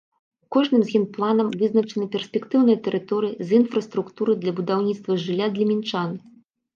У кожным з генпланам вызначаны перспектыўныя тэрыторыі з інфраструктурай для будаўніцтва жылля для мінчан.